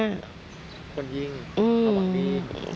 คนยิงเขาหวังดี